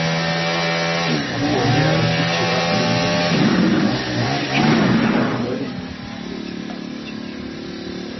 amubonye arakikira arigendera. » Iyi pica ntabwo cyari igitekerezo cy'igihimbano,